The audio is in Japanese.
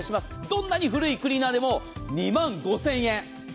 どんなに古いクリーナーでも２万９０００円。